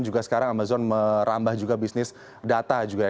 juga sekarang amazon merambah juga bisnis data juga ya